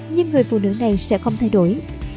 nhưng người phụ nữ này sẽ không thay đổi